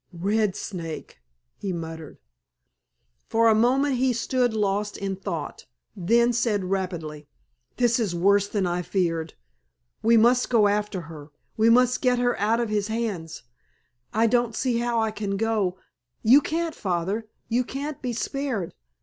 "Red Snake!" he muttered. For a moment he stood lost in thought, then said rapidly: "This is worse than I feared. We must go after her. We must get her out of his hands. I don't see how I can go——" "You can't, Father! You can't be spared.